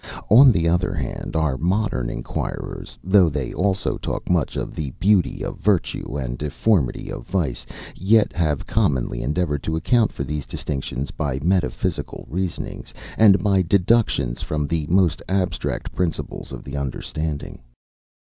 On the other hand, our modern inquirers, though they also talk much of the beauty of virtue, and, deformity of vice, yet have commonly endeavored to account for these distinctions by metaphysical reasonings, and by deductions from the most abstract principles of the understanding.